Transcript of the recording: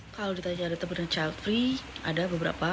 kalau ditanya ada benar benar childfree ada beberapa